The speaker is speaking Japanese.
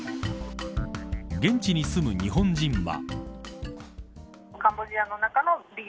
現地に住む日本人は。